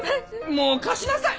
もう貸しなさい！